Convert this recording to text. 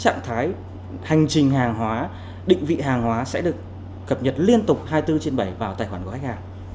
các trạng thái hành trình hàng hóa định vị hàng hóa sẽ được cập nhật liên tục hai mươi bốn trên bảy vào tài khoản của khách hàng